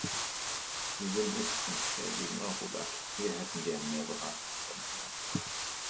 Wir sind nicht prinzipiell gegen Eurodac, wir hätten gerne mehr Beratungszeit gehabt.